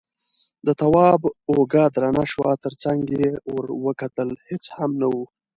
د تواب اوږه درنه شوه، تر څنګ يې ور وکتل، هېڅ هم نه و.